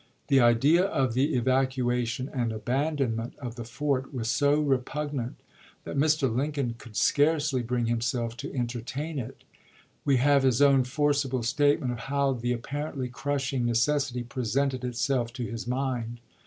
The idea of the evacuation and abandonment of the fort was so repugnant that Mr. Lincoln could scarcely bring himself to entertain it; we have his owrn forcible statement of how the apparently crushing necessity presented itself to his mind.